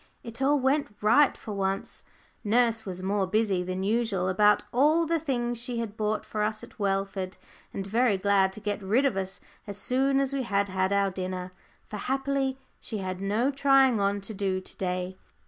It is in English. It all went right for once. Nurse was more busy than usual about all the things she had bought for us at Welford, and very glad to get rid of us as soon as we had had our dinner. For, happily, she had no trying on to do to day.